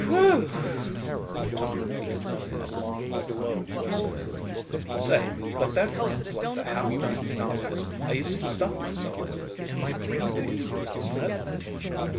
"Phew!" Tom emitted a long, low whistle. "Say, but that runs like the half dime novels I used to stuff myself with in my green days, doesn't it?"